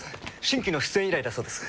新規の出演依頼だそうです。